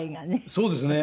そうですね。